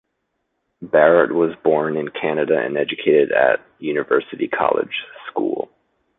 Barrett was born in Canada and educated at University College School.